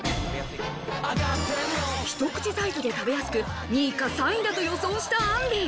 一口サイズで食べやすく、２位か３位だと予想したあんり。